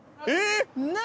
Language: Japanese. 何？